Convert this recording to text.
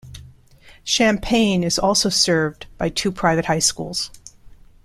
Champaign is also served by two private high schools.